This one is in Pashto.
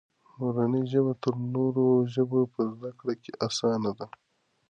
مورنۍ ژبه تر نورو ژبو په زده کړه کې اسانه ده.